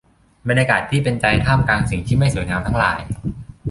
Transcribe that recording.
บรรยากาศที่เป็นใจท่ามกลางสิ่งที่ไม่สวยงามทั้งหลาย